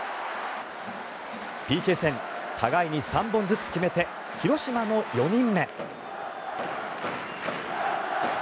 ＰＫ戦、互いに３本ずつ決めて広島の４人目。